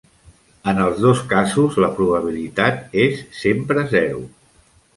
En els dos casos la probabilitat és sempre zero.